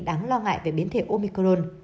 đáng lo ngại về biến thể omicron